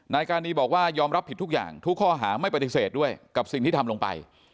การีบอกว่ายอมรับผิดทุกอย่างทุกข้อหาไม่ปฏิเสธด้วยกับสิ่งที่ทำลงไป